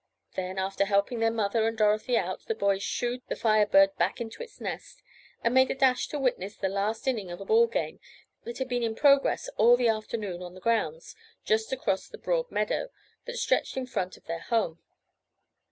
Then, after helping their mother and Dorothy out, the boys "shooed" the Fire Bird back to its "nest," and made a dash to witness the last inning of a ball game that had been in progress all the afternoon on the grounds, just across the broad meadow, that stretched in front of their home.